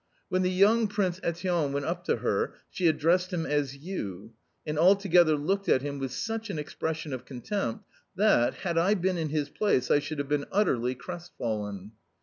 When the young Prince Etienne went up to her she addressed him as "YOU," and altogether looked at him with such an expression of contempt that, had I been in his place, I should have been utterly crestfallen.